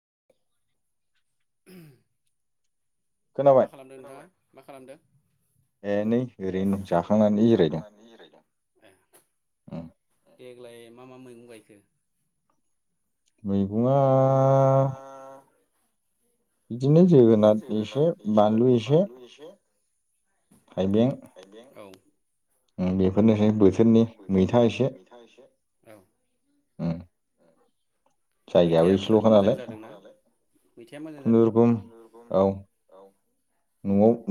[inaudible] मा खालामदों नोंथाङा मा खालामदों ए नै ओरैनो दं जाखांनानै जिरायदों ए देग ग्लाय मा मा मैगं गायखो? मैगङा बिदिनो जोगोनाथ इसे बानलु इसे औ ओम बेफोरनोसै बोथोरनि मैथा इसे ओम मैथाया बुरा मोजां जादोंना मैथाया मोजां जादों खुनुरुखुम औ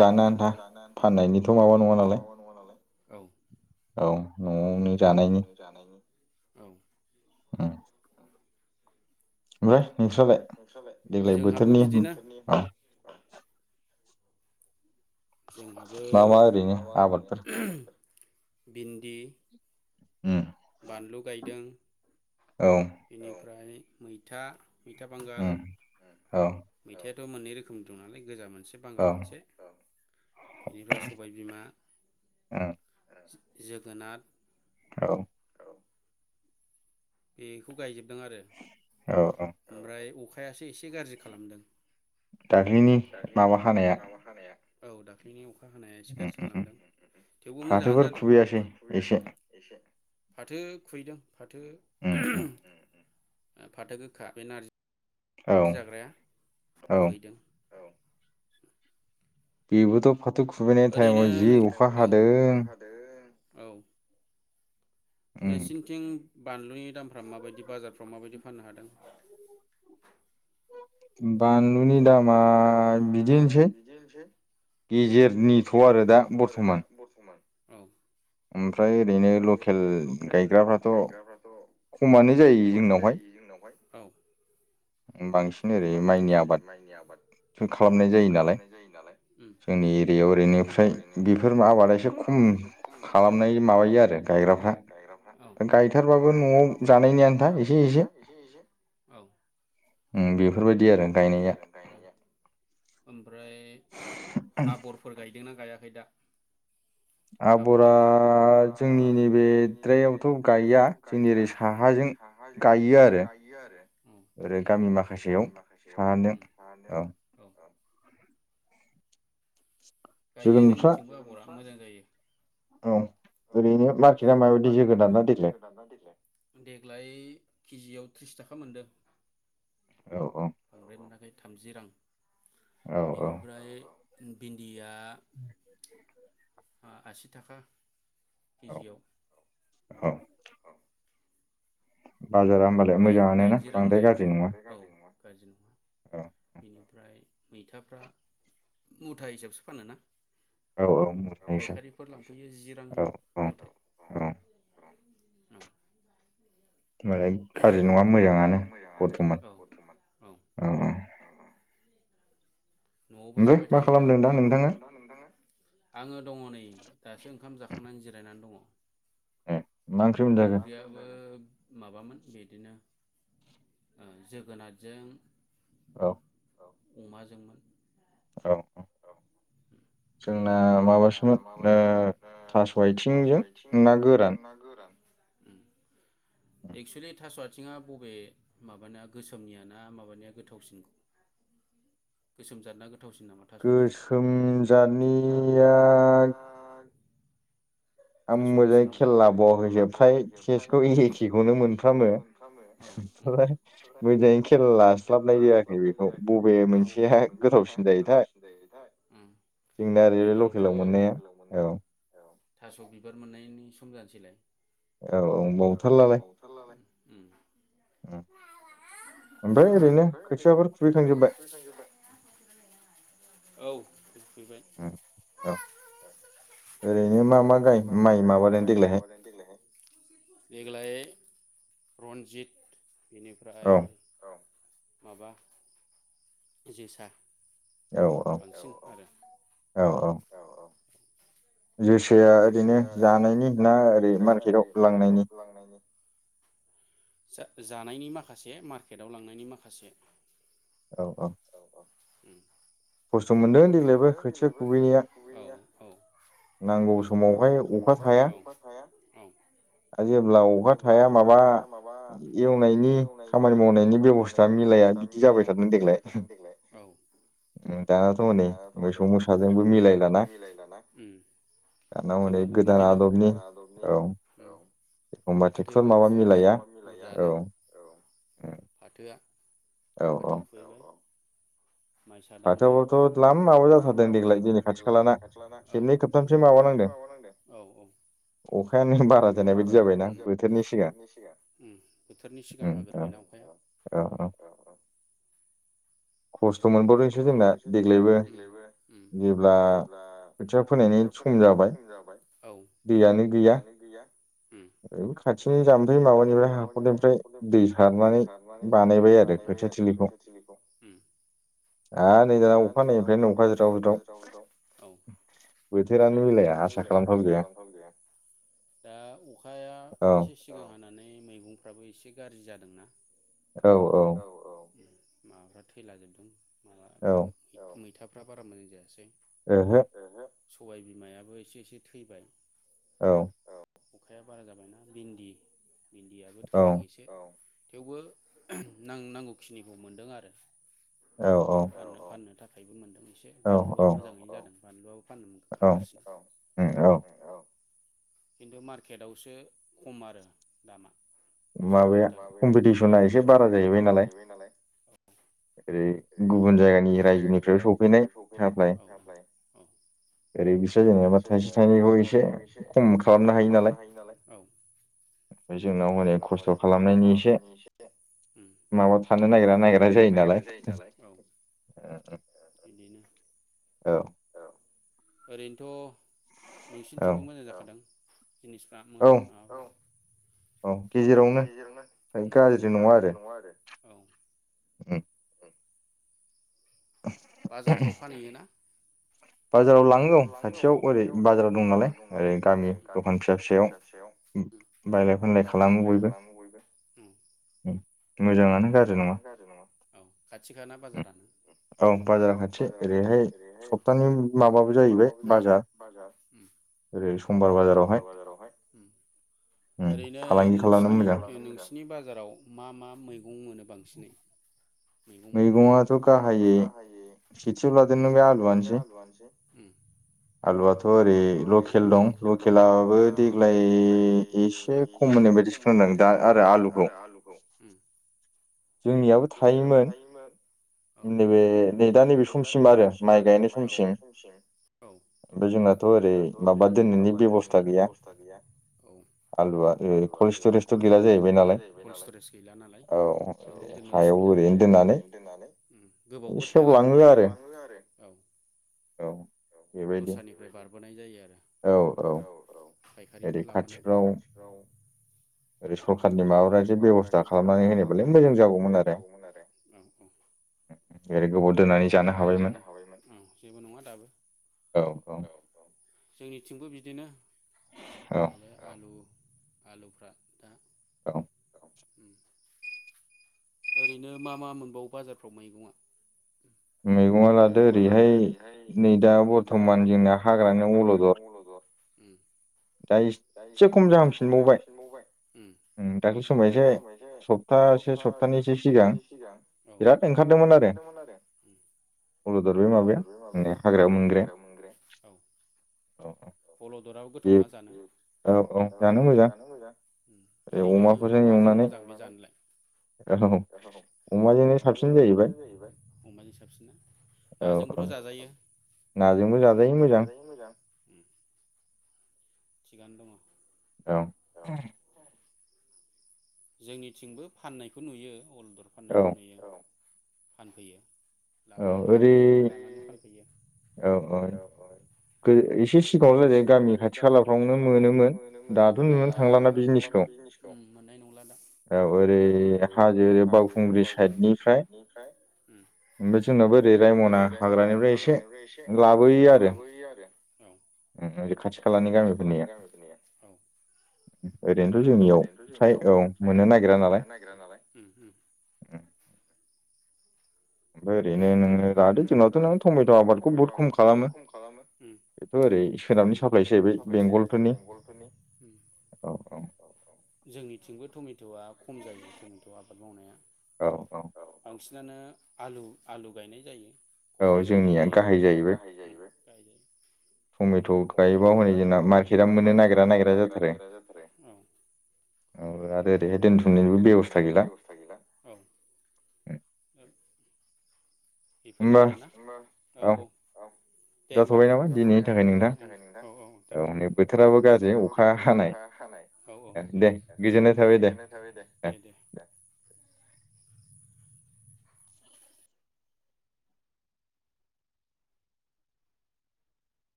जानो आन्था फाननायनिथ' माबा नङा नालाय औ औ न'आवनो जानायनि औ ओम ओमफाय नोंस्रालाय देग्लाय बोथोरनि जोंहाबो माबा ओरैनो भिन्दि बानलु गायदों औ बेनिफ्राय मैथा मैथा बांगाल ओम मैथाया थ' मोननै रोखोमनि दं नालाय गोजा मोन से बांगाल मोनसे औ इनिफ्राय सबाय बिमा जोगोनाद औ बेखौ गायजोब दों आरो ओमफ्राय अख खायासो एसे गाज्रि खालामदों दाख्लैनि माबा हानाया औ दाख्लैनि अख खा होनाया एसे गाज्रि खालामदों थेवबो मोजाङानो जादों फाथो खुहैदों फाथो [unintelligible] ओ फाथो गोखा बे नारजि [unintelligible] जाग्राया उखैदों। बिबोथब फाथो खुबैनाय टाइमाव जि अखा हादों। औ नोंसिनिथिं बानलुनि दामफ्रा माबायदि बाजारफ्राव माबायदि फाननो हादों? बानलुनि दामा बिदिसै उम गेजेरनिथ' आरो दा बरथमान। ओमफ्राय ओरैनो लकेल गायग्राफ्राथ' खमानो जायो जोंनावहाय ओमबां बांसिन ओरै माइनि आबाद उम खालामनाय जायो नालाय उम जोंनि एरियायाव ओरैनो फ्राय उम बेफोर आबादा एसे खम खालामनाय माबायो आरो गायग्राफ्रा औ औ उम बेफोरबायदि आरो गायनाया ओमबा ओमफ्राय आबरफोर गाय गायदोंना गायाखै दा? आबरा जोंनि नैबे द्रायावथ' गया जोंनि ओरै साहाजों गायो आरो ओरै गामि माख उम औ गायो जोंनिथिंबो आबरा मोजां जायो। औ ओरैनो मार्केटआ मायाव दिजे गोदान ना देग्लाय? देग्लाय किजियाव त्रिस थाखा मोनदों। बांद्राय मोनाखै थामजि रां बेनिफ्राय बिन्दिया आ आसि थागा। किजियाव बाजारा ओमबालाय मोजाङानो ना बांद्राय गाज्रि नङा। गाज्रि नङा। बेनिफ्राय मैथाफ्रा मुथा हिसाबसो फानोना। फायखारिफोर लांफैयो जि रांनि मुथाय [unintelligible] उम। [inaudible] मालाय गाज्रि नङा मोजाङानो बर्थमान [inaudible] औ। न'आवबो जाबाय थायो आङो दङ' नै दासो ओंखाम जाखांनानै जिरायनानै दङ'। [inaudible] ओंख्रियाबो माबामोन बिदिनो [inaudible] ओ जोगोनारजों औ। अमाजोंमोन। अ [inaudible] जोंना माबासोमोन ओ थास' आथिंजों ना गोरान। उम। एक्सुलि थाब आ आथिङा बबे माबानाया गोसोमनियाना माबानाया गोथावसिन गोसोम जानाया गोथावसिन [inaudible] थासवथिंना गोसोमजारनिया [inaudible] आं मोजाङै खेलला लाबावाखैसो फ्राय चेसखौ एखेखौनो मोनफ्रामो ओमफ्राय मोजाङै खेलला लास्लाबनाय जायाखै बेखौ बबे मोनसेया गोथावसिन जायोथाय। जोंना ओरै लकेलाव मोननाया औ। थास' बिबार मोननायनि सम जानोसैलाय [inaudible] औ बावथारलालाय ओमफ्राय ओरैनो खोथियाफोर खुबैखांजोब्बाय? औ। [inaudible] ैबाय ओरैनो मा मा माइ माबाज देग्लायहाय देग्लाय [unintelligible] [inaudible] रन्जित [inaudible] बेनिफ्राय औ [inaudible] माबा [inaudible] जोसा [inaudible] औ औ औ औ। जोसाया ओरैनो जानायनि ना ओरै मार्केटाव लांनायनि? जा जानायनि माखासे मार्केटाव लांनायनि माखासे [inaudible] औ औ। ओम [inaudible] खस्थ' मोनदों देग्लायबो खायसे खुबैया नांगौ समावहाय अखा थाया जेब्ला अखा थाया माबा एवनायनि खामानि मावनायनि बेबस्था मिलाया बिदि जाबाय थादोंमोन देग्लाय [inaudible] उम जोंनावबो बिदिनो। एखमबा टेकथर माबा मिलाया औ। फाथोआ। [inaudible] फाथो फुहैबाय। माइसा दांबाय [inaudible] औ [inaudible] औऔ उम उम उम बोथोरनि सिगां हागोरबायना अखाया। खस्थ' मोनबाव दों [inaudible] उम उम [inaudible] औ। ओय खाथिनि जामफै माबानिफ्राय हाखरनिफ्राय दै सारनानै बानायबाय आरो खोथिया थिलिखौ। औ [inaudible] दा अख खाया एसे सिगां हानानै बे मैगंफ्राबो एसे गाज्रि जादोंना। [inaudible] औ औ। [unintelligible] थैला जोबदों। माबा मैथा फ्रा बारा मोजां जायासै। ओहो। सबाय बिमायाबो एसे एसे थैबाय। औ। अखाया बारा जाबायना भिन्दि भिन्दि आबो थैदों एसे। थेवबो नां नांगौ खिनिखौ मोनदों आरो। औ औ। फाननो थाखायबो मोनदोंमोन एसे बानलुआ मोजाङैनो जादों। बानलुयाव फान फानगासिनो खिन्थु र्माकेतआवसो खम आरो दामा। माबाया कम्पिटिसना एसे बारा जाहैबाय नालाय ओरै गुबुन जायगानि रायजोनिफ्राय सफैनाय साप्लाइ ओरै बिसोरो जेनोबा थाइसे थाइनैखौ एसे खम खालामनो हायो नालाय। ओमफ्राय जोंनाव हनै खस्थ' खालामनायनि एसे माबा थानो नागिरा नागिरा जायो नालाय। औ औ ओरैनोथ' नोंसिनिथिंबो मोजां जाखादों? जिनिसफ्रा उम औ औ उम। उम। बाजारफ्राव फानहैयोना? उम उम औ खाथिखाना बाजारानो? बाजार खाथि ओरैहाय उम उम, ओरैनो नोंसिनि ओ नोंसिनि बाजाराव मा मा मैं गं मोनो बांसिनै मैगंयाथ' गाहायै उम उम। जोंनियाबो थायोमोन इनदि बे औ औ औ उम कलस्टरेजथ' गैला नालाय दोननो उसुबिदा उम। गोबावबो थाला। औ, दस्रानिफ्राय बारबोनाय जायो आरो। औ औ। फायखारिफोर लाबोनाय। उम उम उम। ओरै गोबाव दोननानै जानो हाबायमोन जेबो नङा दाबो औ औ। जोंनिथिंबो बिदिनो। [unintelligible] आलु। आलुफ्रा। [inaudible] ओरैनो मा मा मोनबावो बाजारफ्राव मैगंआ? मैगङा लादो ओरैहाय नै दा बर्थमान जोंना हाग्रानि अलदर। उम। दा एतसे खम जाहांफिनबावबाय उम दाख्लै समाव एसे सप्तासे सप्तानै सप्तानैसो सिगां औ बिराद ओंखारदोंमोन आरो अलदर बै माबाया ओ हाग्रा मोनग्राया औ अलदराबो गो गोथावना जानो औ औ जानो मोजां ओरैनो मा मा माजों मोजां जानोलाय? ओ अमाजोंनो साबसिन जाहैबाय अमाजों साबसिना नाजोंबोथ' जाजायो नाजोंबो जाजायो मोजां उम। थिगानो दङ। औ। जोंनिथिंबो फाननायखौ नुयो। अलदर फाननायखौ नुयो। फानफैयो। लाबोयो हाग्रानिफ्राय औ औ एसे सिगाङावनो [unintelligible] गामि खाथि खालाफ्रावनो मोनोमोन दा [unintelligible] औ ओरै हाजो बावखुंग्रि साइडनिफ्राय। ओमफ्राय जोंनावो ओरै रायमना हाग्रानिफ्राय एसे लाबोयो आरो औ ओरै खाथि खालानि गामिफोरनि [unintelligible] ओरैनोथ' जोंनियाव। फ्राय औ मोननो नागिरा नालाय उ उ। ओरैनो नोङो लादो जोनावथ' नों टमेट' आबादखौ बहुत खम खालामो बेथ ओरै सोनाबनि साप्लाइ सो जाहैबाय बेंगलफोरनि औ जोंनिथिंबो टमेट'आ खम जायो टमेट' आबाद मावनाया औ बांसिन। नानो आलु। आलु गायनाय जायो। कफि गायनाय जायो औ जोंनिया गाहाय जाहैबाय कफि टमेट' गायोबा हनै जोंना मार्केट आ मोननो नागिरा नागिरा जाथारो औ आरो ओरैहाय दोनथ'नायनिबो बेबस्था गैला औ। बेफोरनो आरोना हमबा औ औ औ दे होमबा दोन्थ'बाय नामा ओं जाबाय जाबाय औ औ दे औ नै बोथोराबो गाज्रि अखा हानाय औ औ दे दे गोजोननाय थाबाय दे दे दे।